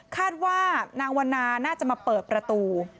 คาดว่านางวันนาน่าจะมาเปิดประตู